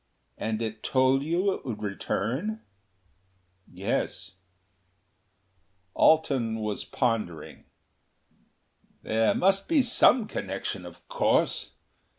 "And it told you it would return?" "Yes." Alten was pondering. "There must be some connection, of course....